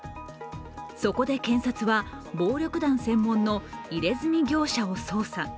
そこで検察は暴力団専門の入れ墨業者を捜査。